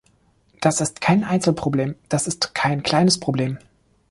Das ist kein Einzelproblem, das ist kein kleines Problem.